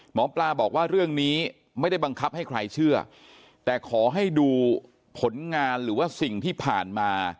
หมอปลาบอกว่าเรื่องนี้ไม่ได้บังคับให้ใครเชื่อแต่ขอให้ดูผลงานหรือว่าสิ่งที่ผ่านมา